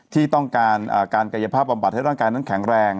ที่ต้องการการกายภาพบำบัดให้ร่างกายนั้นแข็งแรง